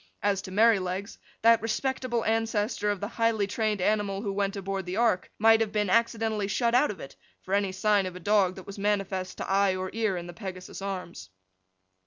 As to Merrylegs, that respectable ancestor of the highly trained animal who went aboard the ark, might have been accidentally shut out of it, for any sign of a dog that was manifest to eye or ear in the Pegasus's Arms.